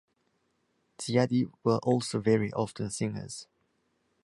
Dziady were also very often singers.